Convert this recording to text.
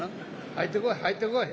入ってこい入ってこい。